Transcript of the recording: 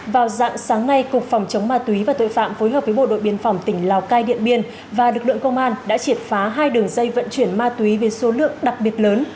vào dạng sáng nay cục phòng chống ma túy và tội phạm phối hợp với bộ đội biên phòng tỉnh lào cai điện biên và lực lượng công an đã triệt phá hai đường dây vận chuyển ma túy với số lượng đặc biệt lớn